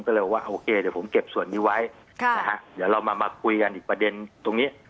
เดี๋ยวผมเก็บส่วนนี้ไว้เดี๋ยวเรามามาคุยกันอีกประเด็นตรงนี้